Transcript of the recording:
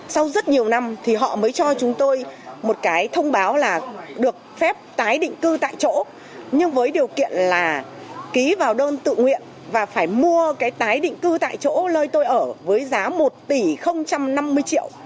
sau rất nhiều năm thì họ mới cho chúng tôi một cái thông báo là được phép tái định cư tại chỗ nhưng với điều kiện là ký vào đơn tự nguyện và phải mua cái tái định cư tại chỗ nơi tôi ở với giá một tỷ năm mươi triệu